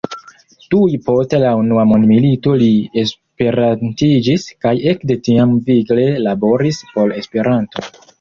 Tuj post la unua mondmilito li esperantiĝis, kaj ekde tiam vigle laboris por Esperanto.